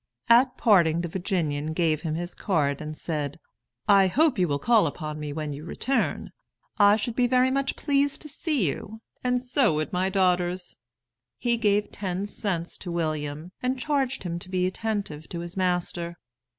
At parting the Virginian gave him his card and said: "I hope you will call upon me when you return. I should be much pleased to see you, and so would my daughters." He gave ten cents to William, and charged him to be attentive to his master.